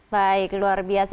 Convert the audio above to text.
baik luar biasa